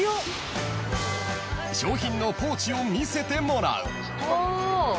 ［賞品のポーチを見せてもらう］